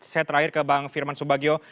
saya terakhir ke bang firman subagio